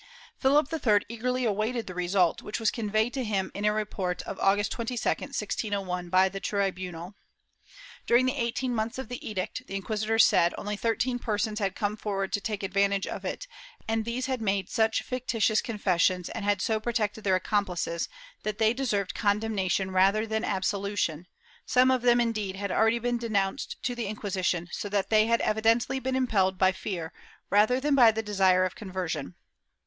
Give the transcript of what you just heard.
Philip III eagerly awaited the result, which was conveyed to him in a report of August 22, 1601, by the tribunal. During the eighteen months of the edict, the inquisitors said, only thirteen persons had come forward to take advantage of it and these had made such fictitious confessions, and had so protected their accomplices, that they deserved con demnation rather than absolution; some of them, indeed, had already been denounced to the Inquisition, so that they had evi dently been impelled by fear rather than by the desire of conver sion.